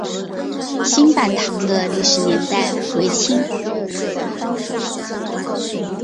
新坂堂的历史年代为清。